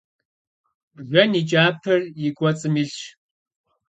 Бжэн и кӏапэр и кӏуэцӏым илъщ.